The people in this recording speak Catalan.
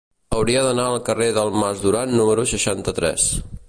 Hauria d'anar al carrer del Mas Duran número seixanta-tres.